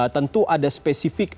tentu ada spesifik